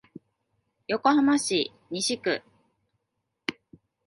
横浜市西区